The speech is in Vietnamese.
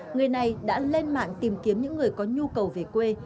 người này đã lên mạng tìm kiếm những người có nhu cầu về quê